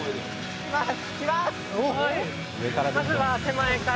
行きます！